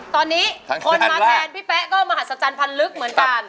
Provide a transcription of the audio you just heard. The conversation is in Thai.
ตอนนี้คนมาแทนพี่แป๊ะก็มหัศจรรย์พันธ์ลึกเหมือนกัน